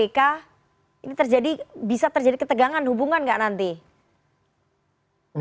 ini terjadi bisa terjadi ketegangan hubungan nggak nanti